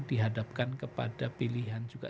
dihadapkan kepada pilihan juga